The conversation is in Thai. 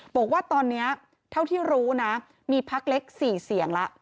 บอกว่าตอนนี้เท่าที่รู้นะมีพักเล็ก๔เสียงแล้ว